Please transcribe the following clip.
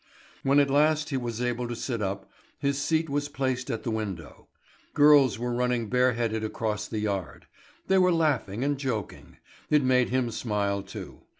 When at last he was allowed to sit up, his seat was placed at the window. Girls were running bare headed across the yard. They were laughing and joking. It made him smile too.